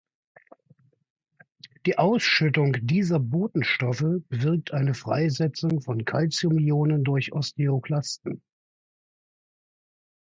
Die Ausschüttung dieser Botenstoffe bewirkt eine Freisetzung von Calcium-Ionen durch Osteoklasten.